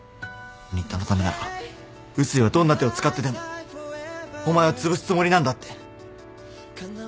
新田のためなら碓井はどんな手を使ってでもお前をつぶすつもりなんだって。